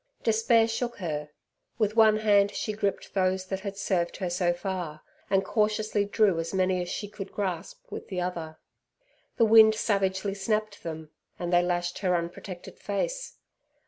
Despair shook her. With one hand she gripped those that had served her so far, and cautiously drew as many as she could grasp with the other. The wind savagely snapped them, and they lashed her unprotected face.